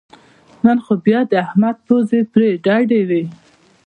نن خو بیا د احمد پوزې پرې ډډې وې